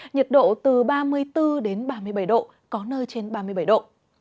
nhiệt độ từ ba mươi bốn đến ba mươi bảy độ có nơi trên ba mươi bảy độ